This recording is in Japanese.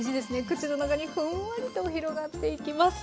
口の中にふんわりと広がっていきます。